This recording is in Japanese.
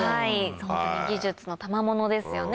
ほんとに技術のたまものですよね。